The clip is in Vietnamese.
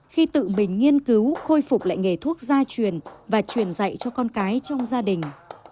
khi tự mình nghiên cứu khôi phục lại nghề thuốc gia truyền và truyền dạy cho con cái trong gia đình